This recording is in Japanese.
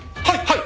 はい！